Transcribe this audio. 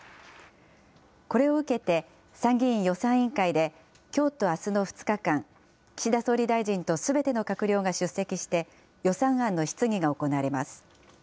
これを受けて、参議院予算委員会で、きょうとあすの２日間、岸田総理大臣とすべての閣僚が出席して、予算案の質疑が行われます。